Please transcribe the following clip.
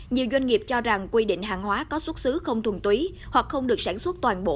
nhiều doanh nghiệp cho rằng quy định hàng hóa có xuất xứ không thuần túy hoặc không được sản xuất toàn bộ